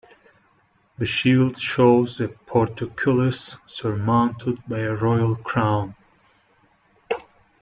The shield shows a portcullis surmounted by a royal crown.